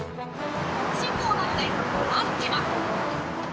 赤信号なので待ってます。